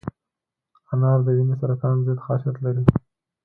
انار د وینې سرطان ضد خاصیت لري.